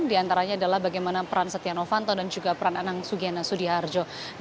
diantaranya adalah bagaimana peran setia novanto dan juga peran anak sugiana sudiharjo